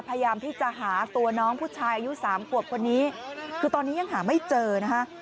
พยายามที่จะหาตัวน้องผู้ชายอายุสามขวบคนนี้คือตอนนี้ยังหาไม่เจอนะคะ